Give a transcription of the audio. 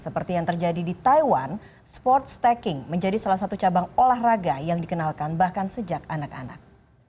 seperti yang terjadi di taiwan sports stacking menjadi salah satu cabang olahraga yang dikenalkan bahkan sejak anak anak